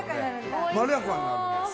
まろやかになるんです。